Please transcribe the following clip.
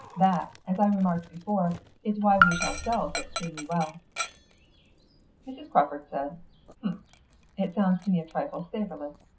That, as I remarked before, is why we shall sell so extremely well." Mrs. Crawford said, "Humph. It sounds to me a trifle savourless.